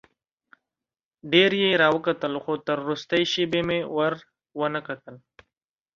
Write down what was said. ډېر یې راوکتل خو تر وروستۍ شېبې مې ور ونه کتل.